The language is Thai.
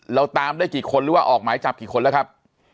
เราตามได้กี่คนหรือว่าออกหมายจับกี่คนแล้วครับ